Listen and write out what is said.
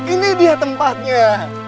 ini dia tempatnya